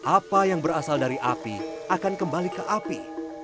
apa yang berasal dari api akan kembali ke api